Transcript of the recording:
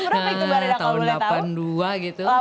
tahun berapa itu mba reda kalau boleh tahu